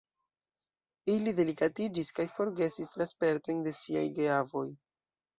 Ili delikatiĝis kaj forgesis la spertojn de siaj geavoj.